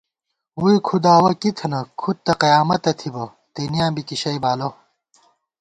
ووئی کھُداوَہ کی تھنہ کھُد تہ قیامَتہ تھِبہ ، تېنېیاں بی کی شئ بالہ